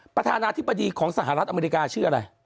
ประธานาธิบดีของสหรัฐอเมริกาชื่ออะไร